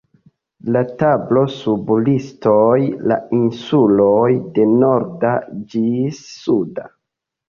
La tablo sub listoj la insuloj de Norda ĝis Suda.